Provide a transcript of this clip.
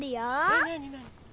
えなになに？